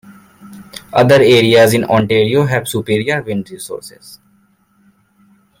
Other areas in Ontario have superior wind resources.